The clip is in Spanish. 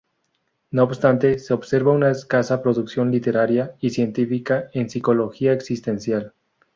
No obstante se observa una escasa producción literaria y científica en psicología existencial.